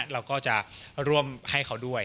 เราก็จะร่วมให้เขาด้วย